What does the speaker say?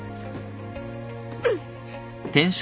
うん！